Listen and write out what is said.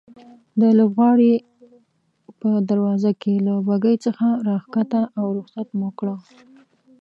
د لوبغالي په دروازه کې له بګۍ څخه راکښته او رخصت مو کړه.